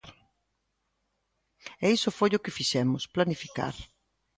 E iso foi o que fixemos: planificar.